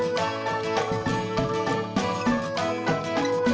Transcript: wassalamualaikum warahmatullahi wabarakatuh